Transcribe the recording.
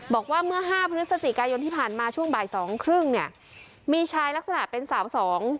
บอกว่าเมื่อห้าพฤศจิกายนที่ผ่านมาช่วงบ่ายสองครึ่งเนี่ยมีชายลักษณะเป็นสาวสอง